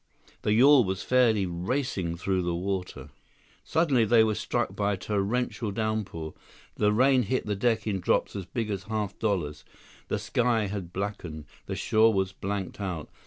The yawl was fairly racing through the water. Suddenly they were struck by a torrential downpour. The rain hit the deck in drops as big as half dollars. The sky had blackened. The shore was blanked out.